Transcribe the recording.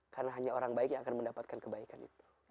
karena hanya orang baik yang akan mendapatkan kebaikan itu